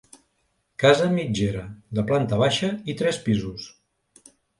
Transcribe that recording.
Casa mitgera de planta baixa i tres pisos.